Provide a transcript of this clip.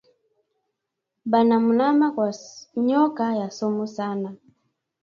Bana muluma kwa nyoka ya sumu sana